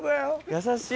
優しい。